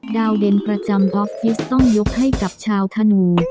เด่นประจำออฟฟิศต้องยกให้กับชาวธนู